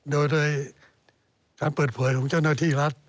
โดยการเปิดเผยของเจ้าหน้าที่รัฐ